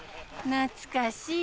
懐かしい？